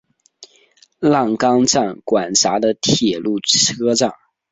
浪冈站管辖的铁路车站。